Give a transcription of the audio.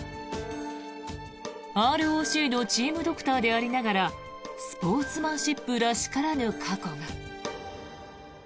ＲＯＣのチームドクターでありながらスポーツマンシップらしからぬ過去が。